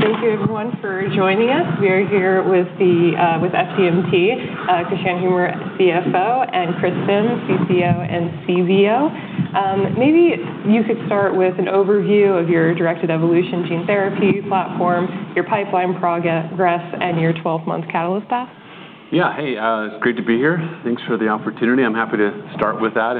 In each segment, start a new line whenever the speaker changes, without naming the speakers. Thank you everyone for joining us. We are here with 4DMT, Kristian Humer, CFO, and Chris Simms, CCO and CBO. Maybe you could start with an overview of your directed evolution gene therapy platform, your pipeline progress, and your 12-month catalyst path.
Yeah. Hey, it's great to be here. Thanks for the opportunity. I'm happy to start with that,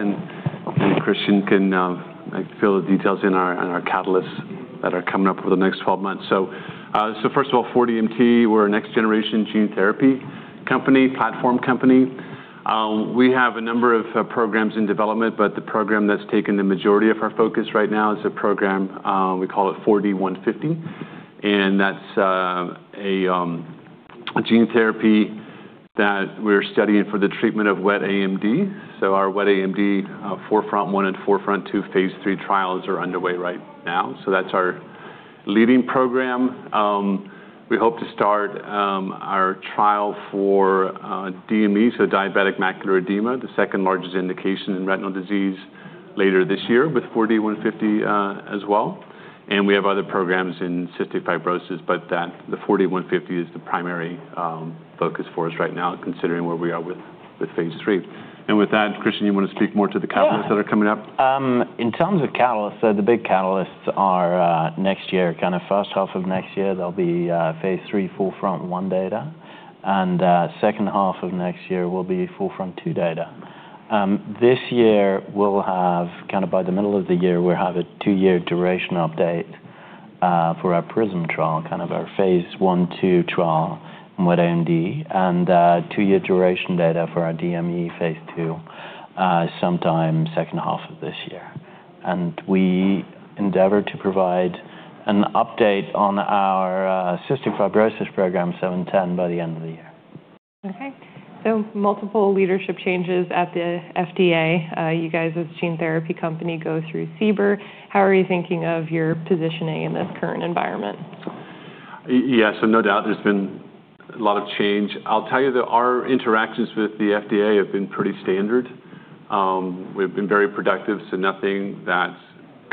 hopefully Kristian can fill the details in on our catalysts that are coming up over the next 12 months. First of all, 4DMT, we're a next-generation gene therapy company, platform company. We have a number of programs in development, the program that's taken the majority of our focus right now is a program, we call it 4D-150, and that's a gene therapy that we're studying for the treatment of wet AMD. Our wet AMD 4FRONT-1 and 4FRONT-2 phase III trials are underway right now. That's our leading program. We hope to start our trial for DME, so diabetic macular edema, the second largest indication in retinal disease later this year with 4D-150 as well. We have other programs in cystic fibrosis, the 4D-150 is the primary focus for us right now, considering where we are with phase III. With that, Kristian, you want to speak more to the catalysts that are coming up?
In terms of catalysts, the big catalysts are next year, first half of next year, there'll be phase III 4FRONT-1 data, second half of next year will be 4FRONT-2 data. This year, we'll have by the middle of the year, we'll have a two-year duration update for our PRISM trial, our phase I/II trial in wet AMD, a two-year duration data for our DME phase II, sometime second half of this year. We endeavor to provide an update on our cystic fibrosis program, 4D-710, by the end of the year.
Okay. Multiple leadership changes at the FDA. You guys, as a gene therapy company, go through CBER. How are you thinking of your positioning in this current environment?
Yeah. No doubt there's been a lot of change. I'll tell you that our interactions with the FDA have been pretty standard. We've been very productive, nothing that's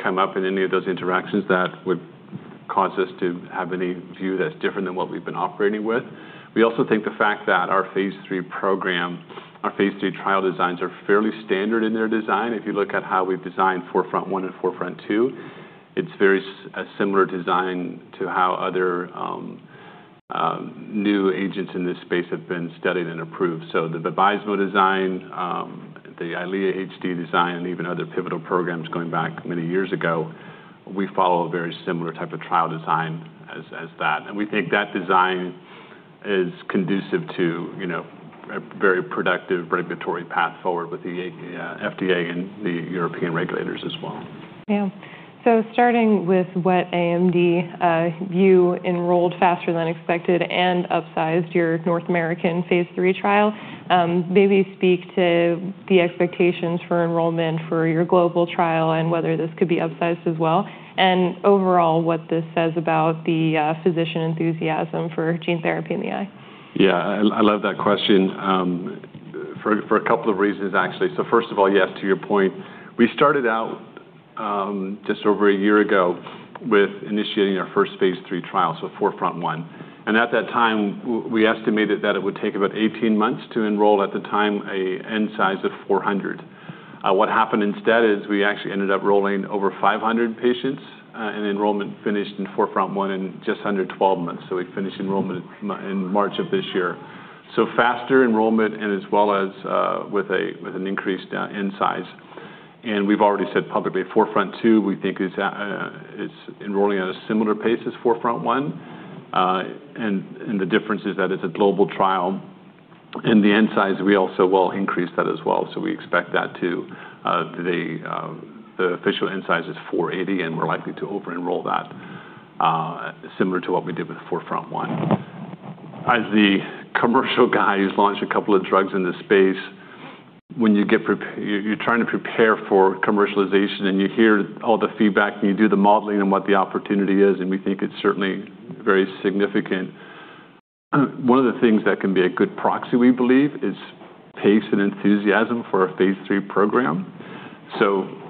come up in any of those interactions that would cause us to have any view that's different than what we've been operating with. We also think the fact that our phase III program, our phase III trial designs are fairly standard in their design. If you look at how we've designed 4FRONT-1 and 4FRONT-2, it's a very similar design to how other new agents in this space have been studied and approved. The Vabysmo design, the Eylea HD design, and even other pivotal programs going back many years ago, we follow a very similar type of trial design as that. We think that design is conducive to a very productive regulatory path forward with the FDA and the European regulators as well.
Yeah. Starting with wet AMD, you enrolled faster than expected and upsized your North American phase III trial. Maybe speak to the expectations for enrollment for your global trial and whether this could be upsized as well, and overall, what this says about the physician enthusiasm for gene therapy in the eye.
Yeah. I love that question for a couple of reasons, actually. First of all, yes, to your point, we started out just over a year ago with initiating our first phase III trial, 4FRONT-1. At that time, we estimated that it would take about 18 months to enroll, at the time, an end size of 400 patients. What happened instead is we actually ended up enrolling over 500 patients, and enrollment finished in 4FRONT-1 in just under 12 months. We finished enrollment in March of this year. Faster enrollment and as well as with an increased end size. We've already said publicly 4FRONT-2, we think is enrolling at a similar pace as 4FRONT-1. The difference is that it's a global trial. The end size, we also will increase that as well. We expect that too. The official end size is 480 patients, and we're likely to over-enroll that, similar to what we did with 4FRONT-1. As the commercial guy who's launched a couple of drugs in this space, when you're trying to prepare for commercialization and you hear all the feedback and you do the modeling on what the opportunity is, and we think it's certainly very significant, one of the things that can be a good proxy, we believe, is pace and enthusiasm for a phase III program.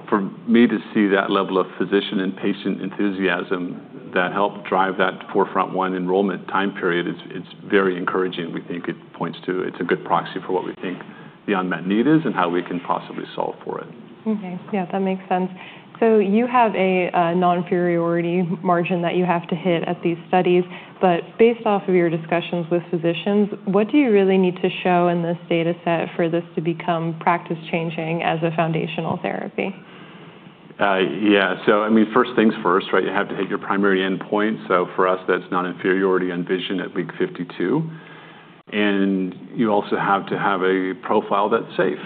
For me to see that level of physician and patient enthusiasm that helped drive that 4FRONT-1 enrollment time period, it's very encouraging. We think it points to it's a good proxy for what we think the unmet need is and how we can possibly solve for it.
Okay. Yeah, that makes sense. You have a non-inferiority margin that you have to hit at these studies, but based off of your discussions with physicians, what do you really need to show in this data set for this to become practice-changing as a foundational therapy?
Yeah. First things first, right? You have to hit your primary endpoint. For us, that's non-inferiority on vision at week 52. You also have to have a profile that's safe,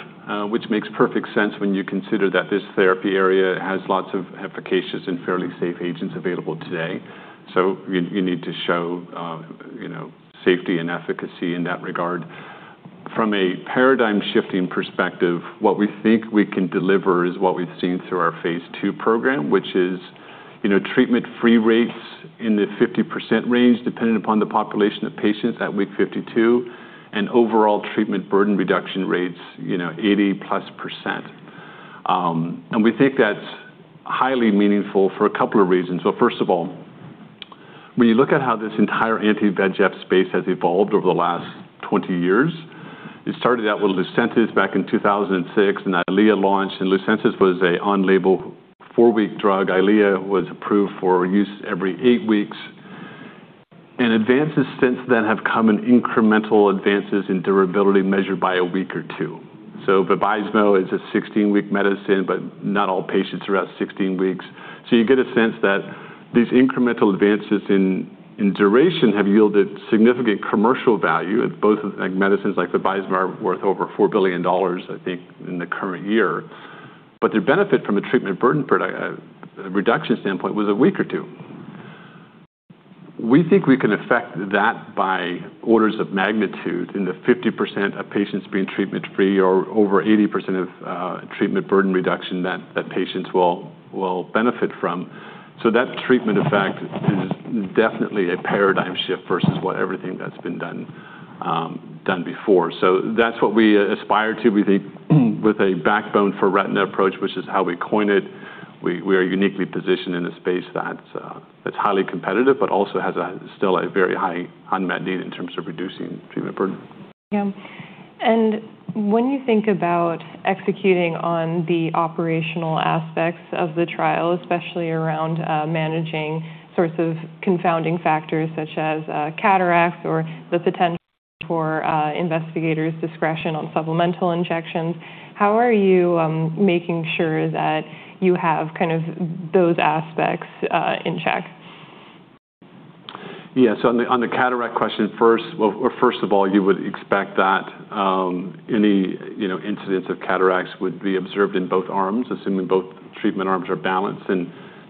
which makes perfect sense when you consider that this therapy area has lots of efficacious and fairly safe agents available today. You need to show safety and efficacy in that regard. From a paradigm-shifting perspective, what we think we can deliver is what we've seen through our phase II program, which is treatment-free rates in the 50% range, depending upon the population of patients at week 52, and overall treatment burden reduction rates 80%+. We think that's highly meaningful for a couple of reasons. First of all, when you look at how this entire anti-VEGF space has evolved over the last 20 years, it started out with Lucentis back in 2006, and Eylea launched, and Lucentis was an on-label four-week drug. Eylea was approved for use every eight weeks. Advances since then have come in incremental advances in durability measured by a week or two. Vabysmo is a 16-week medicine, but not all patients are at 16 weeks. You get a sense that these incremental advances in duration have yielded significant commercial value at both medicines like Vabysmo are worth over $4 billion, I think, in the current year. Their benefit from a treatment burden reduction standpoint was a week or two. We think we can affect that by orders of magnitude in the 50% of patients being treatment-free or over 80% of treatment burden reduction that patients will benefit from. That treatment effect is definitely a paradigm shift versus everything that's been done before. That's what we aspire to. We think with a backbone for retina approach, which is how we coin it, we are uniquely positioned in a space that's highly competitive, but also has still a very high unmet need in terms of reducing treatment burden.
Yeah. When you think about executing on the operational aspects of the trial, especially around managing sorts of confounding factors such as cataracts or the potential for investigators' discretion on supplemental injections, how are you making sure that you have those aspects in check?
Yeah. On the cataract question first. Well, first of all, you would expect that any incidence of cataracts would be observed in both arms, assuming both treatment arms are balanced.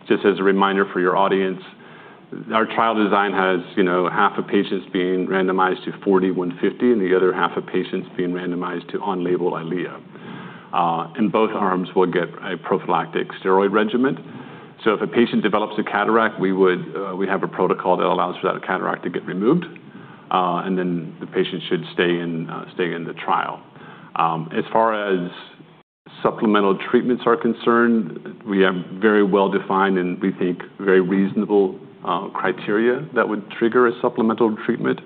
Just as a reminder for your audience, our trial design has half of patients being randomized to 4D-150 and the other half of patients being randomized to on-label Eylea. Both arms will get a prophylactic steroid regimen. If a patient develops a cataract, we have a protocol that allows for that cataract to get removed, and then the patient should stay in the trial. As far as supplemental treatments are concerned, we have very well-defined, and we think very reasonable criteria that would trigger a supplemental treatment.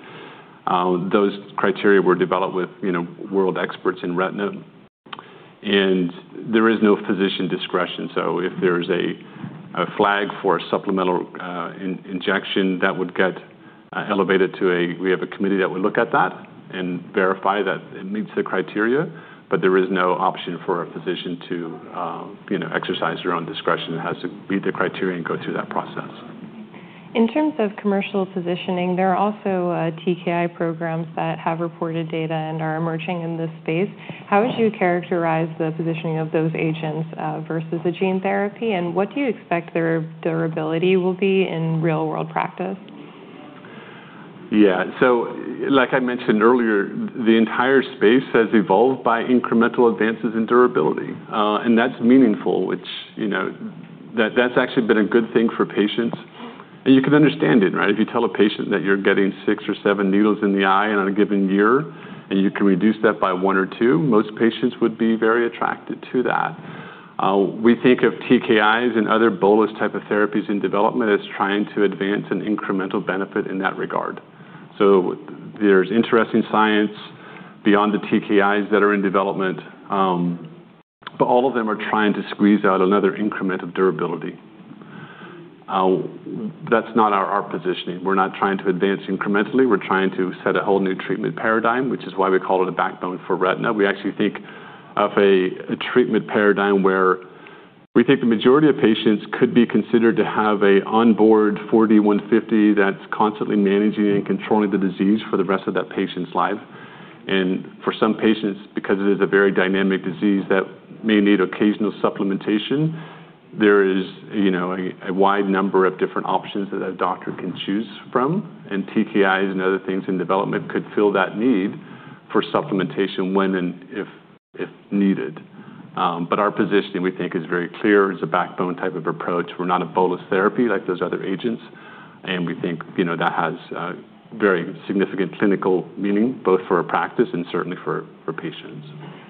Those criteria were developed with world experts in retina, there is no physician discretion. If there is a flag for a supplemental injection, that would get elevated to a committee that would look at that and verify that it meets the criteria, but there is no option for a physician to exercise their own discretion. It has to meet the criteria and go through that process.
In terms of commercial positioning, there are also TKI programs that have reported data and are emerging in this space. How would you characterize the positioning of those agents versus a gene therapy, and what do you expect their durability will be in real-world practice?
Yeah. Like I mentioned earlier, the entire space has evolved by incremental advances in durability. That's meaningful, which that's actually been a good thing for patients. You can understand it, right? If you tell a patient that you're getting six or seven needles in the eye in a given year, and you can reduce that by one or two, most patients would be very attracted to that. We think of TKIs and other bolus type of therapies in development as trying to advance an incremental benefit in that regard. There's interesting science beyond the TKIs that are in development, but all of them are trying to squeeze out another increment of durability. That's not our positioning. We're not trying to advance incrementally. We're trying to set a whole new treatment paradigm, which is why we call it a backbone for retina. We actually think of a treatment paradigm where we think the majority of patients could be considered to have an onboard 4D-150 that's constantly managing and controlling the disease for the rest of that patient's life. For some patients, because it is a very dynamic disease that may need occasional supplementation, there is a wide number of different options that a doctor can choose from, and TKIs and other things in development could fill that need for supplementation when and if needed. Our positioning, we think, is very clear. It's a backbone type of approach. We're not a bolus therapy like those other agents, and we think that has very significant clinical meaning, both for our practice and certainly for patients.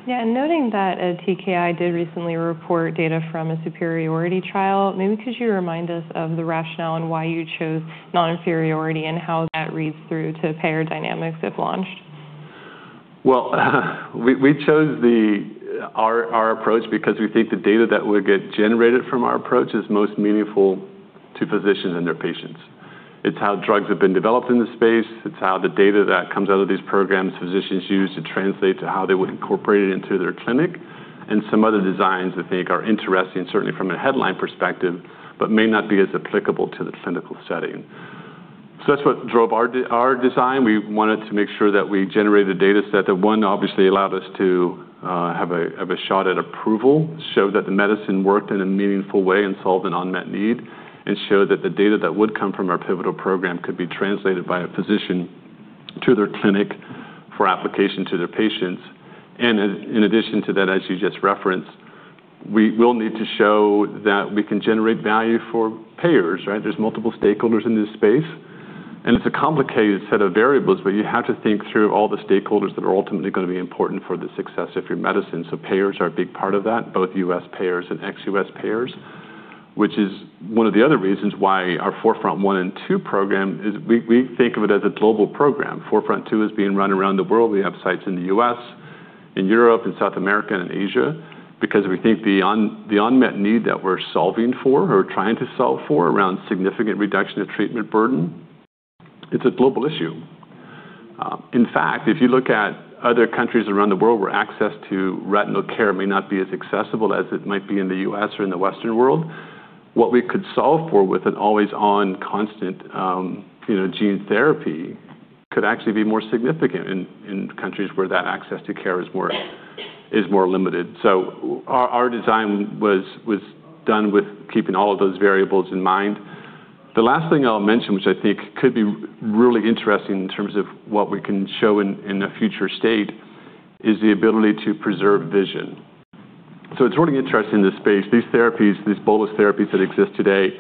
Yeah, noting that TKI did recently report data from a superiority trial, maybe could you remind us of the rationale on why you chose non-inferiority and how that reads through to payer dynamics, if launched?
Well, we chose our approach because we think the data that would get generated from our approach is most meaningful to physicians and their patients. It's how drugs have been developed in the space. It's how the data that comes out of these programs physicians use to translate to how they would incorporate it into their clinic. Some other designs I think are interesting, certainly from a headline perspective, but may not be as applicable to the clinical setting. That's what drove our design. We wanted to make sure that we generated a data set that one, obviously allowed us to have a shot at approval, show that the medicine worked in a meaningful way and solved an unmet need, and show that the data that would come from our pivotal program could be translated by a physician to their clinic for application to their patients. In addition to that, as you just referenced, we will need to show that we can generate value for payers, right? There's multiple stakeholders in this space. It's a complicated set of variables, but you have to think through all the stakeholders that are ultimately going to be important for the success of your medicine. Payers are a big part of that, both U.S. payers and ex-U.S. payers, which is one of the other reasons why our 4FRONT-1 and 4FRONT-2 program is we think of it as a global program. 4FRONT-2 is being run around the world. We have sites in the U.S., in Europe, and South America, and Asia because we think the unmet need that we're solving for or trying to solve for around significant reduction of treatment burden, it's a global issue. In fact, if you look at other countries around the world where access to retinal care may not be as accessible as it might be in the U.S. or in the Western world, what we could solve for with an always-on constant gene therapy could actually be more significant in countries where that access to care is more limited. Our design was done with keeping all of those variables in mind. The last thing I'll mention, which I think could be really interesting in terms of what we can show in a future state, is the ability to preserve vision. It's really interesting this space. These bolus therapies that exist today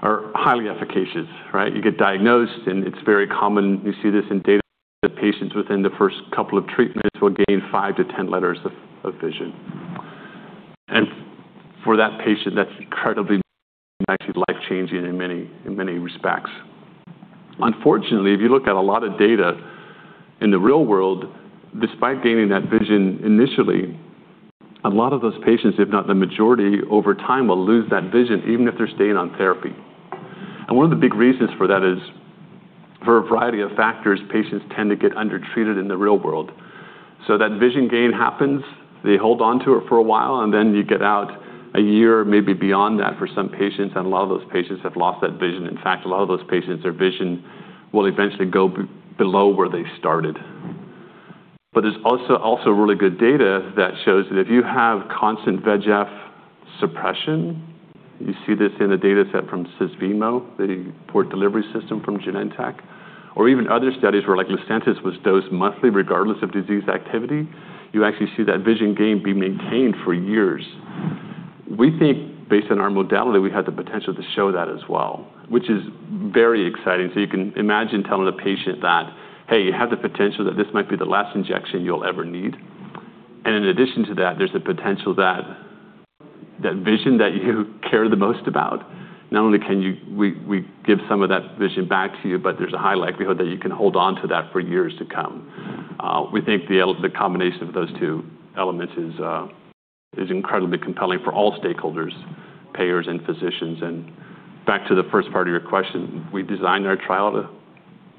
are highly efficacious. You get diagnosed, and it's very common. You see this in data of patients within the first couple of treatments will gain 5-10 letters of vision. For that patient, that's incredibly, actually life-changing in many respects. Unfortunately, if you look at a lot of data in the real world, despite gaining that vision initially, a lot of those patients, if not the majority, over time, will lose that vision, even if they're staying on therapy. One of the big reasons for that is for a variety of factors, patients tend to get undertreated in the real world. That vision gain happens, they hold onto it for a while, then you get out a year, maybe beyond that for some patients, and a lot of those patients have lost that vision. In fact, a lot of those patients, their vision will eventually go below where they started. There's also really good data that shows that if you have constant VEGF suppression, you see this in the data set from Susvimo, the Port Delivery System from Genentech, or even other studies where like Lucentis was dosed monthly regardless of disease activity, you actually see that vision gain be maintained for years. We think based on our modality, we have the potential to show that as well, which is very exciting. You can imagine telling a patient that, "Hey, you have the potential that this might be the last injection you'll ever need. In addition to that, there's a potential that that vision that you care the most about, not only can we give some of that vision back to you, but there's a high likelihood that you can hold on to that for years to come." We think the combination of those two elements is incredibly compelling for all stakeholders, payers, and physicians. Back to the first part of your question, we designed our trial to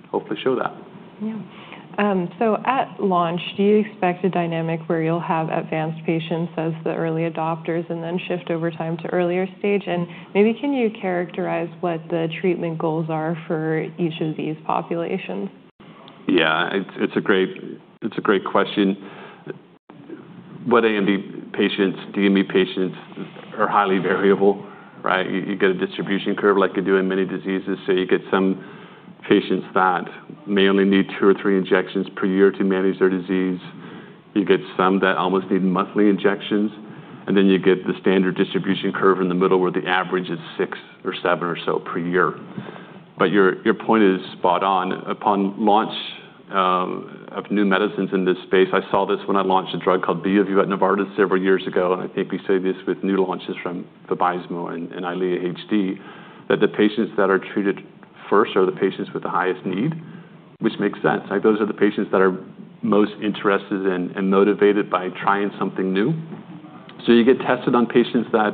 hopefully show that.
Yeah. At launch, do you expect a dynamic where you'll have advanced patients as the early adopters then shift over time to earlier stage? Maybe can you characterize what the treatment goals are for each of these populations?
Yeah. It's a great question. Wet AMD patients, DME patients are highly variable. You get a distribution curve like you do in many diseases. You get some patients that may only need two or three injections per year to manage their disease. You get some that almost need monthly injections, and then you get the standard distribution curve in the middle where the average is six or seven or so per year. Your point is spot on. Upon launch of new medicines in this space, I saw this when I launched a drug called Beovu at Novartis several years ago, and I think we say this with new launches from Vabysmo and Eylea HD, that the patients that are treated first are the patients with the highest need, which makes sense. Those are the patients that are most interested and motivated by trying something new. You get tested on patients that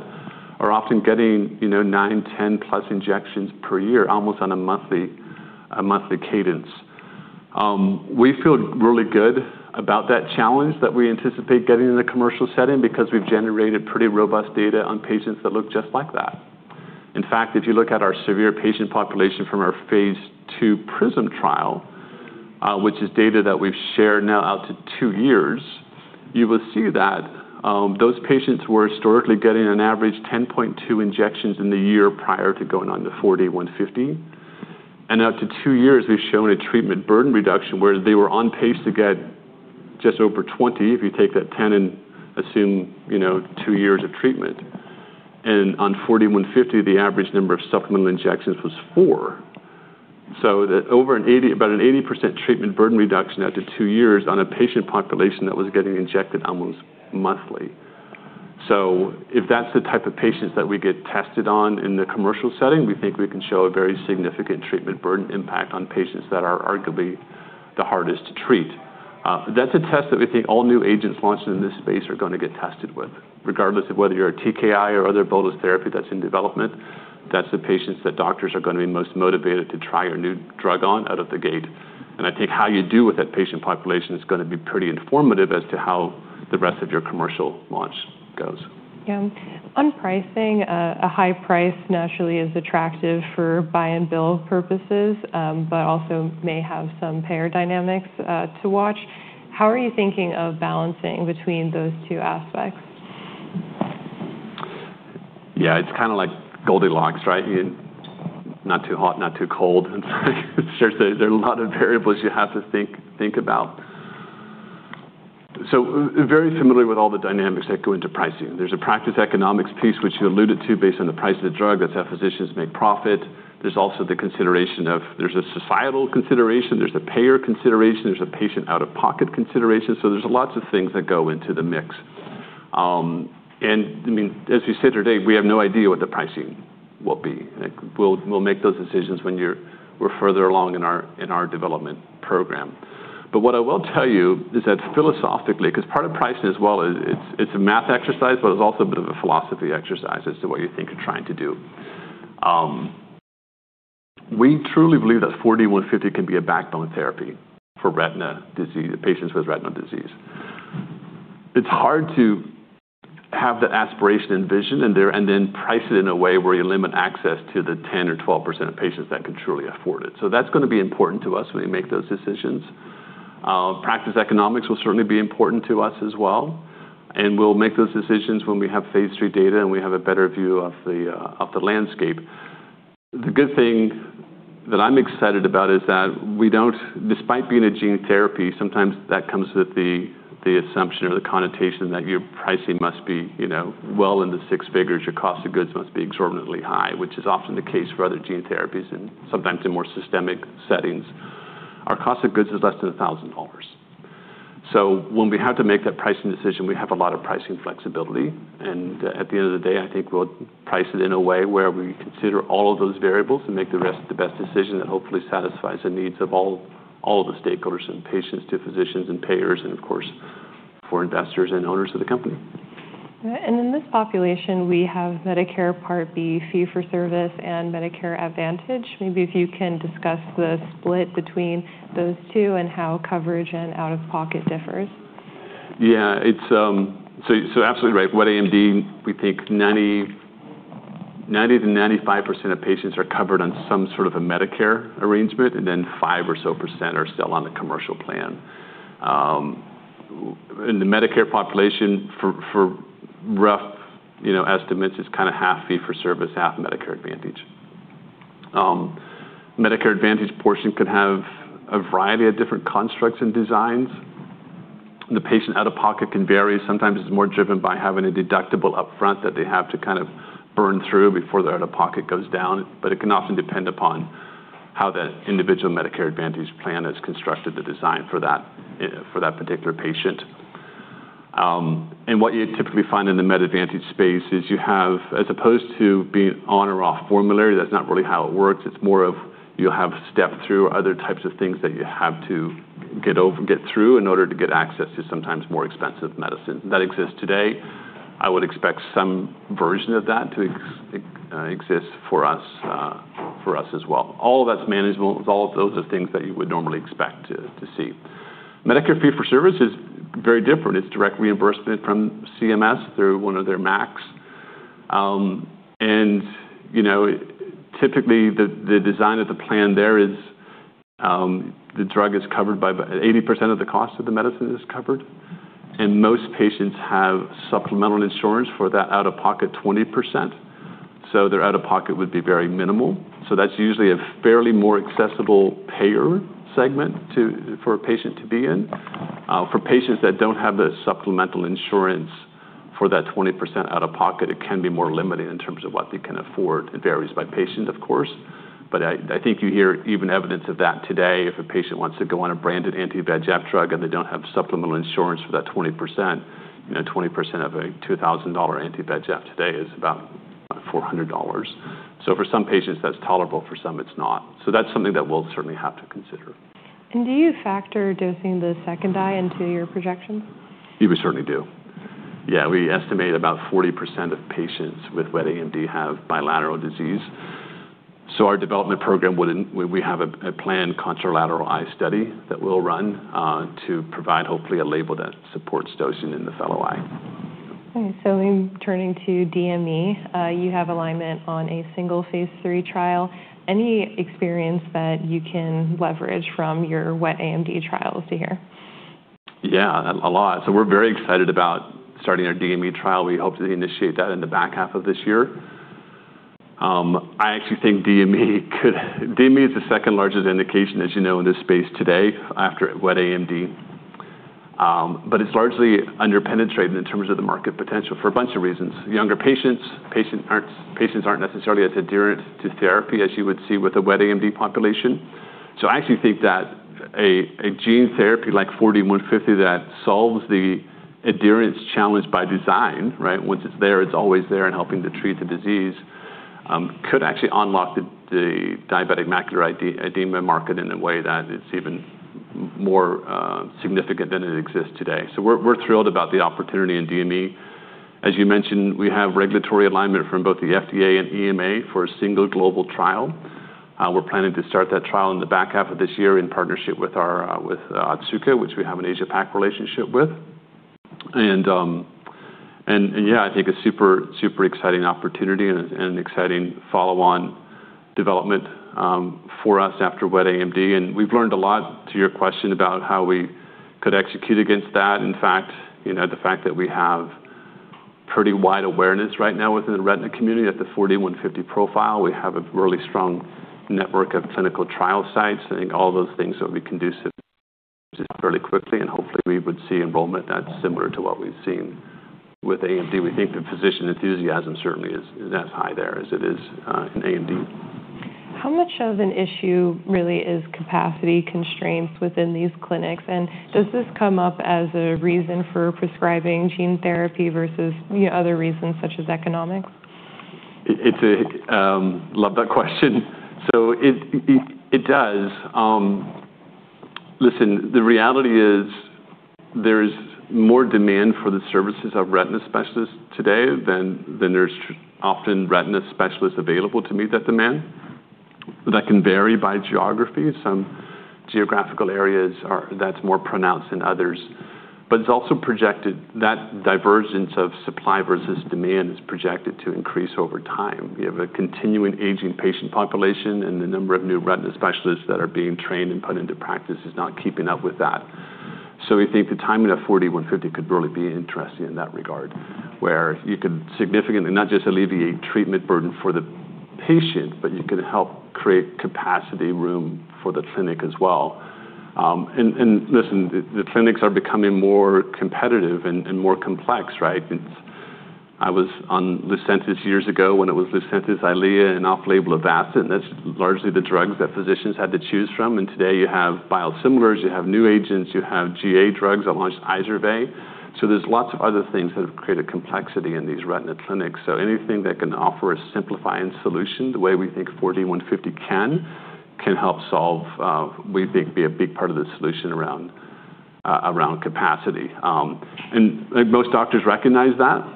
are often getting 9, 10+ injections per year, almost on a monthly cadence. We feel really good about that challenge that we anticipate getting in the commercial setting because we've generated pretty robust data on patients that look just like that. In fact, if you look at our severe patient population from our phase II PRISM trial, which is data that we've shared now out to two years, you will see that those patients were historically getting an average 10.2 injections in the year prior to going on to 4D-150. Out to two years, we've shown a treatment burden reduction, whereas they were on pace to get just over 20 if you take that 10 and assume two years of treatment. On 4D-150, the average number of supplemental injections was four. About an 80% treatment burden reduction out to two years on a patient population that was getting injected almost monthly. If that's the type of patients that we get tested on in the commercial setting, we think we can show a very significant treatment burden impact on patients that are arguably the hardest to treat. That's a test that we think all new agents launching in this space are going to get tested with. Regardless of whether you're a TKI or other bolus therapy that's in development, that's the patients that doctors are going to be most motivated to try your new drug on out of the gate. I think how you do with that patient population is going to be pretty informative as to how the rest of your commercial launch goes.
Yeah. On pricing, a high price naturally is attractive for buy and bill purposes, but also may have some payer dynamics to watch. How are you thinking of balancing between those two aspects?
Yeah. It's like Goldilocks. Not too hot, not too cold. There are a lot of variables you have to think about. Very familiar with all the dynamics that go into pricing. There's a practice economics piece, which you alluded to, based on the price of the drug. That's how physicians make profit. There's also the consideration of, there's a societal consideration, there's a payer consideration, there's a patient out-of-pocket consideration. There's lots of things that go into the mix. As we said today, we have no idea what the pricing will be. We'll make those decisions when we're further along in our development program. What I will tell you is that philosophically, because part of pricing as well, it's a math exercise, but it's also a bit of a philosophy exercise as to what you think you're trying to do. We truly believe that 4D-150 can be a backbone therapy for patients with retina disease. It's hard to have that aspiration and vision and then price it in a way where you limit access to the 10% or 12% of patients that can truly afford it. That's going to be important to us when we make those decisions. Practice economics will certainly be important to us as well, and we'll make those decisions when we have phase III data and we have a better view of the landscape. The good thing that I'm excited about is that despite being a gene therapy, sometimes that comes with the assumption or the connotation that your pricing must be well into six figures. Your cost of goods must be exorbitantly high, which is often the case for other gene therapies, and sometimes in more systemic settings. Our cost of goods is less than $1,000. When we have to make that pricing decision, we have a lot of pricing flexibility, and at the end of the day, I think we'll price it in a way where we consider all of those variables and make the best decision that hopefully satisfies the needs of all the stakeholders and patients to physicians and payers, and of course, for investors and owners of the company.
Right. In this population, we have Medicare Part B fee for service and Medicare Advantage. Maybe if you can discuss the split between those two and how coverage and out-of-pocket differs.
Yeah. Absolutely right. Wet AMD, we think 90%-95% of patients are covered on some sort of a Medicare arrangement, then 5% or so are still on the commercial plan. In the Medicare population for rough estimates, it's half fee for service, half Medicare Advantage. Medicare Advantage portion can have a variety of different constructs and designs. The patient out-of-pocket can vary. Sometimes it's more driven by having a deductible upfront that they have to burn through before their out-of-pocket goes down. It can often depend upon how that individual Medicare Advantage plan has constructed the design for that particular patient. What you typically find in the Med Advantage space is you have, as opposed to being on or off formulary, that's not really how it works. It's more of you'll have step through other types of things that you have to get through in order to get access to sometimes more expensive medicine. That exists today. I would expect some version of that to exist for us as well. All of that's manageable. Those are things that you would normally expect to see. Medicare fee for service is very different. It's direct reimbursement from CMS through one of their MACs. Typically, the design of the plan there is the drug is covered by 80% of the cost of the medicine is covered, most patients have supplemental insurance for that out-of-pocket 20%. Their out-of-pocket would be very minimal. That's usually a fairly more accessible payer segment for a patient to be in. For patients that don't have the supplemental insurance for that 20% out-of-pocket, it can be more limiting in terms of what they can afford. It varies by patient, of course. I think you hear even evidence of that today. If a patient wants to go on a branded anti-VEGF drug and they don't have supplemental insurance for that 20%, 20% of a $2,000 anti-VEGF today is about $400. For some patients, that's tolerable. For some, it's not. That's something that we'll certainly have to consider.
Do you factor dosing the second eye into your projections?
We certainly do. We estimate about 40% of patients with wet AMD have bilateral disease. Our development program, we have a planned contralateral eye study that we will run to provide, hopefully, a label that supports dosing in the fellow eye.
Okay. Turning to DME, you have alignment on a single phase III trial. Any experience that you can leverage from your wet AMD trials here?
A lot. We are very excited about starting our DME trial. We hope to initiate that in the back half of this year. I actually think DME is the second largest indication, as you know, in this space today after wet AMD. But it is largely under-penetrated in terms of the market potential for a bunch of reasons. Younger patients are not necessarily as adherent to therapy as you would see with a wet AMD population. I actually think that a gene therapy like 4D-150 that solves the adherence challenge by design, right? Once it is there, it is always there and helping to treat the disease, could actually unlock the diabetic macular edema market in a way that is even more significant than it exists today. We are thrilled about the opportunity in DME. As you mentioned, we have regulatory alignment from both the FDA and EMA for a single global trial. We are planning to start that trial in the back half of this year in partnership with Otsuka, which we have an Asia-Pac relationship with. I think a super exciting opportunity and an exciting follow-on development for us after wet AMD. We have learned a lot to your question about how we could execute against that. In fact, the fact that we have pretty wide awareness right now within the retina community at the 4D-150 profile. We have a really strong network of clinical trial sites. I think all those things that we can do fairly quickly, and hopefully we would see enrollment that is similar to what we have seen with AMD. We think the physician enthusiasm certainly is as high there as it is in AMD.
How much of an issue really is capacity constraints within these clinics? Does this come up as a reason for prescribing gene therapy versus other reasons such as economics?
Love that question. It does. Listen, the reality is there's more demand for the services of retina specialists today than there's often retina specialists available to meet that demand. That can vary by geography. Some geographical areas that's more pronounced than others. It's also projected that divergence of supply versus demand is projected to increase over time. You have a continuing aging patient population, the number of new retina specialists that are being trained and put into practice is not keeping up with that. We think the timing of 4D-150 could really be interesting in that regard, where you could significantly not just alleviate treatment burden for the patient, but you could help create capacity room for the clinic as well. Listen, the clinics are becoming more competitive and more complex, right? I was on Lucentis years ago when it was Lucentis, Eylea, and off-label Avastin. That's largely the drugs that physicians had to choose from. Today you have biosimilars, you have new agents, you have GA drugs that launched Izervay. There's lots of other things that have created complexity in these retina clinics. Anything that can offer a simplifying solution the way we think 4D-150 can help solve, we think, be a big part of the solution around capacity. Most doctors recognize that.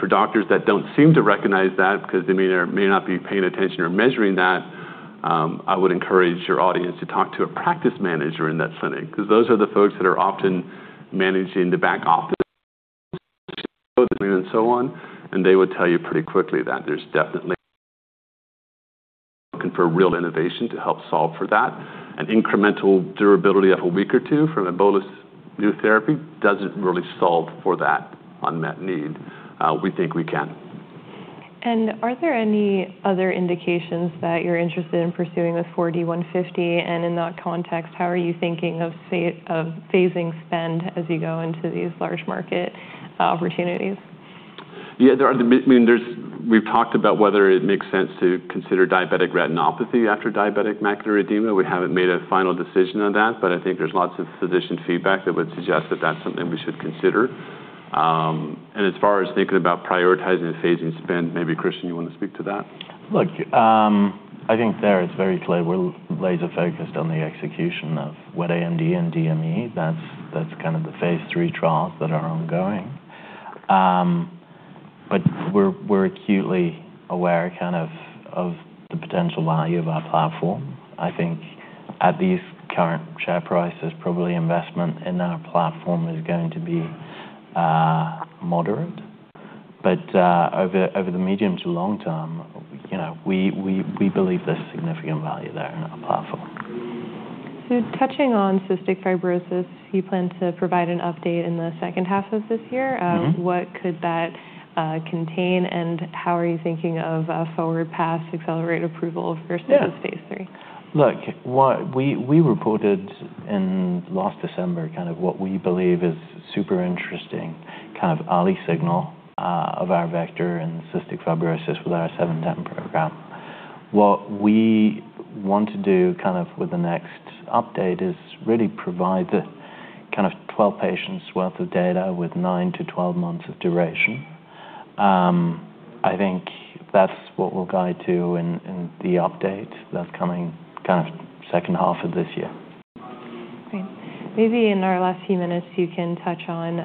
For doctors that don't seem to recognize that because they may or may not be paying attention or measuring that, I would encourage your audience to talk to a practice manager in that clinic, because those are the folks that are often managing the back office and so on, and they would tell you pretty quickly that there's definitely looking for real innovation to help solve for that. An incremental durability of a week or two from a bolus new therapy doesn't really solve for that unmet need. We think we can.
Are there any other indications that you're interested in pursuing with 4D-150? In that context, how are you thinking of phasing spend as you go into these large market opportunities?
Yeah. We've talked about whether it makes sense to consider diabetic retinopathy after diabetic macular edema. We haven't made a final decision on that, but I think there's lots of physician feedback that would suggest that that's something we should consider. As far as thinking about prioritizing phasing spend, maybe Kristian, you want to speak to that?
Look, I think there it's very clear we're laser-focused on the execution of wet AMD and DME. That's kind of the phase III trials that are ongoing. We're acutely aware of the potential value of our platform. I think at these current share prices, probably investment in our platform is going to be moderate. Over the medium to long term, we believe there's significant value there in our platform.
Touching on cystic fibrosis, you plan to provide an update in the second half of this year. What could that contain, how are you thinking of a forward path accelerate approval versus-
Yeah
...a stage 3?
Look, we reported in last December, kind of what we believe is super interesting kind of early signal of our vector and cystic fibrosis with our 4D-710 program. What we want to do with the next update is really provide the kind of 12 patients worth of data with 9-12 months of duration. I think that's what we'll guide to in the update that's coming second half of this year.
Great. Maybe in our last few minutes, you can touch on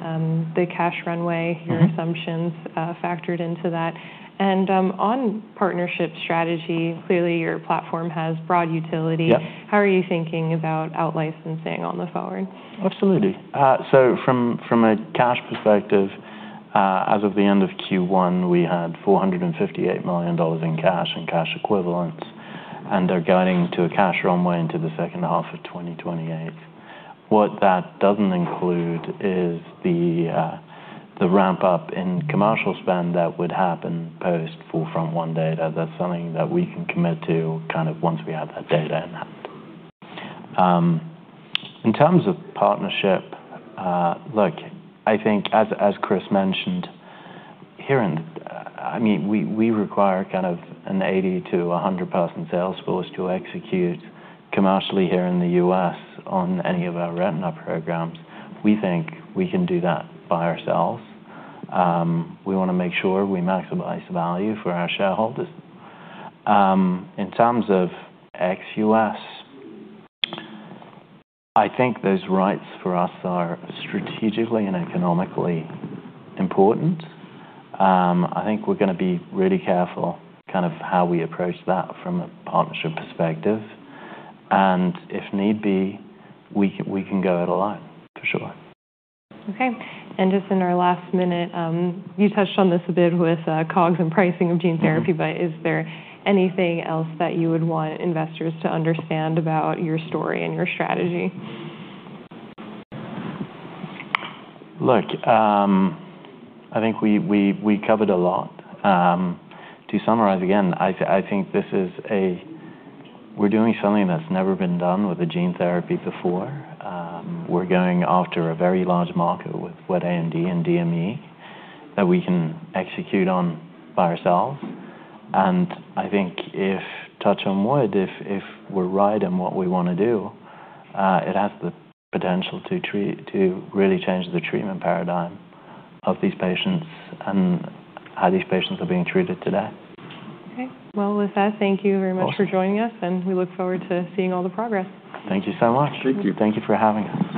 the cash runway your assumptions factored into that. On partnership strategy, clearly your platform has broad utility.
Yeah.
How are you thinking about out licensing on the forward?
Absolutely. From a cash perspective, as of the end of Q1, we had $458 million in cash and cash equivalents, and they're guiding to a cash runway into the second half of 2028. What that doesn't include is the ramp-up in commercial spend that would happen post 4FRONT-1 data. That's something that we can commit to once we have that data in hand. In terms of partnership, look, I think as Chris mentioned, we require an 80 to 100 person sales force to execute commercially here in the U.S. on any of our retina programs. We think we can do that by ourselves. We want to make sure we maximize value for our shareholders. In terms of ex-U.S., I think those rights for us are strategically and economically important. I think we're going to be really careful how we approach that from a partnership perspective. If need be, we can go it alone for sure.
Okay. Just in our last minute, you touched on this a bit with COGS and pricing of gene therapy. Is there anything else that you would want investors to understand about your story and your strategy?
Look, I think we covered a lot. To summarize again, I think we're doing something that's never been done with a gene therapy before. We're going after a very large market with wet AMD and DME that we can execute on by ourselves. I think if, touch on wood, if we're right in what we want to do, it has the potential to really change the treatment paradigm of these patients and how these patients are being treated today.
Okay. Well, with that, thank you very much.
Awesome.
For joining us. We look forward to seeing all the progress.
Thank you so much.
Thank you.
Thank you for having us.